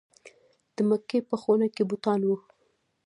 د مکې په خونه کې بوتان وو.